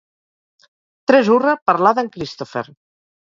Tres hurra per l'Aden Christopher.